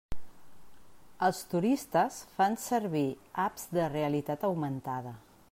Els turistes fan servir apps de realitat augmentada.